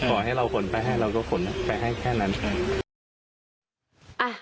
ขอให้เราขนไปให้เราก็ขนไปให้แค่นั้นครับ